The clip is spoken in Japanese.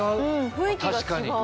雰囲気が違う。